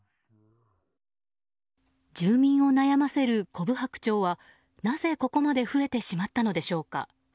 住民を悩まさせるコブハクチョウはなぜ、ここまで増えてしまったのでしょうか。